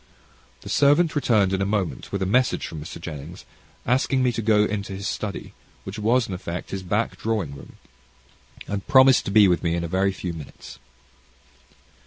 The servant returned in a moment, with a message from Mr. Jennings, asking me to go into his study, which was in effect his back drawing room, promising to be with me in a very few minutes.